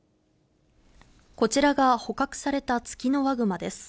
こちらが捕獲されたツキノワグマです。